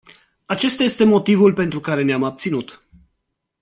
Acesta este motivul pentru care ne-am abținut.